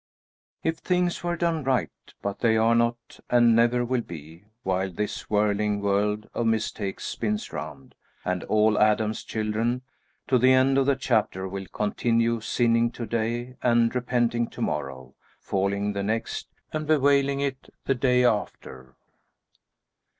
If things were done right but they are not and, never will be, while this whirligig world of mistakes spins round, and all Adam's children, to the end of the chapter, will continue sinning to day and repenting to morrow, falling the next and bewailing it the day after.